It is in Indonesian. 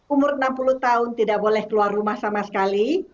umur enam puluh tahun tidak boleh keluar rumah sama sekali